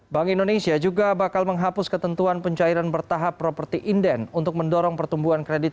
bank indonesia juga bakal menghapus ketentuan pencairan bertahap properti inden untuk mendorong pertumbuhan kredit